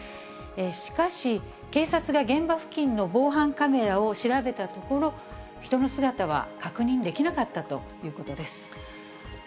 しかし、警察が現場付近の防犯カメラを調べたところ、人の姿は確認できなかったということです。